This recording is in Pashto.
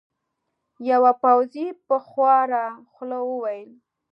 یوه پوځي په خواره خوله وویل.